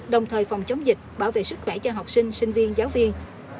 đồng thời phòng chống dịch bảo vệ sức khỏe cho học sinh sinh viên giáo viên